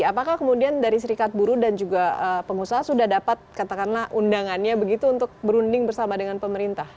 apakah kemudian dari serikat buruh dan juga pengusaha sudah dapat katakanlah undangannya begitu untuk berunding bersama dengan pemerintah